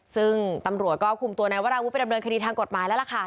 ซึ่งตำรวจก็คุมตัวนายวราวุฒิไปดำเนินคดีทางกฎหมายแล้วล่ะค่ะ